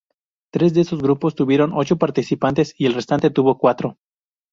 Tres de estos grupos tuvieron ocho participantes y el restante tuvo cuatro.